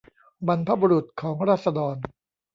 บรรพบุรุษของราษฎร